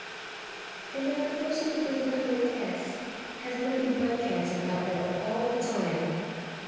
And now the Person who does not like eats has nothing but cats about her all the time.